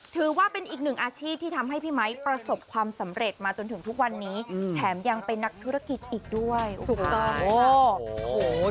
ถือว่าเป็นอีกหนึ่งอาชีพที่ทำให้พี่ไมค์ประสบความสำเร็จมาจนถึงทุกวันนี้แถมยังเป็นนักธุรกิจอีกด้วยถูกต้อง